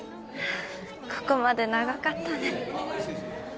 ここまで長かったね